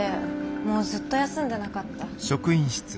もうずっと休んでなかった。